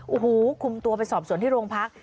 โอ้โหคุมตัวไปสอบสวนที่โรงพัก